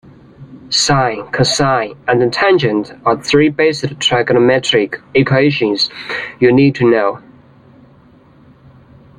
Sine, cosine and tangent are three basic trigonometric equations you'll need to know.